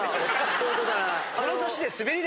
そういうことなら。